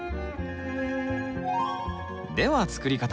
では作り方。